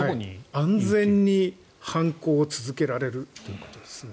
安全に犯行を続けられるということですね。